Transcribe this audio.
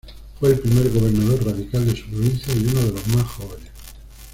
Fue el primer gobernador radical de su provincia, y uno de los más jóvenes.